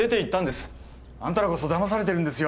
あんたらこそだまされてるんですよ